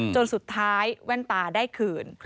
จนสุดท้ายแว่นตาได้คืน